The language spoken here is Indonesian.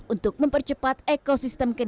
untuk mempercepat ekosistem karbon